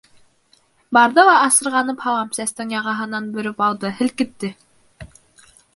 Барҙы ла асырғанып һалам сәстең яғаһынан бөрөп алды, һелкетте.